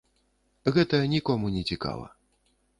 Гэта нікому не цікава.